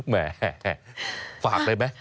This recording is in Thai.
แหมฝากได้ไหม